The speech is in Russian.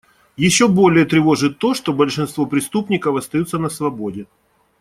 Еще более тревожит то, что большинство преступников остаются на свободе.